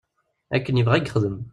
Akken yebɣa i yexdem.